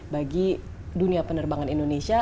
bagi dunia penerbangan indonesia